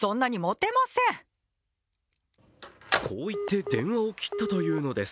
こう言って電話を切ったというのです。